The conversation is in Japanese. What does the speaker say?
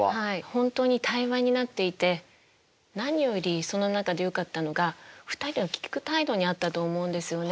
本当に対話になっていて何よりその中でよかったのが２人は聞く態度にあったと思うんですよね。